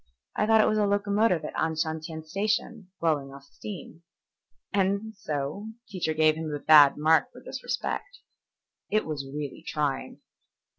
"I thought it was a locomotive at Anshantien Station blowing off steam." And, so, teacher gave him a bad mark for disrespect. It really was trying.